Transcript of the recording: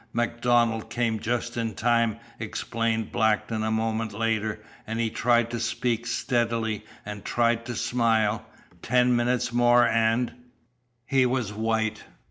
"MacDonald came just in time," explained Blackton a moment later; and he tried to speak steadily, and tried to smile. "Ten minutes more, and " He was white.